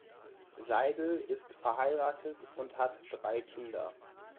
Seidl ist verheiratet und hat drei Kinder.